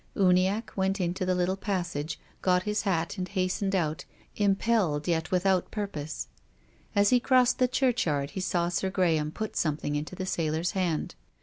Uniacke went into the little passage, got his hat and hast ened out, impelled yet without purpose. As he crossed the churchyard he saw Sir Graham put something into the sailor's hand.